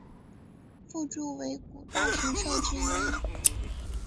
夫诸为古代神兽之一。